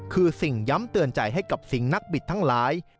คือสิ่งย้ำเตือนใจให้กับสิ่งนักบิดทั้งหลาย